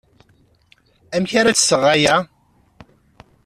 Amek ara d-sɣeɣ aya?